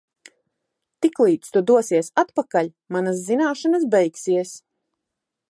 Tiklīdz tu dosies atpakaļ, manas zināšanas beigsies.